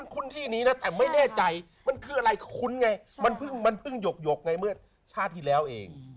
คุ้นที่นี้นะแต่ไม่แน่ใจมันคืออะไรคุ้นไงมันเพิ่งมันเพิ่งหยกไงเมื่อชาติที่แล้วเอง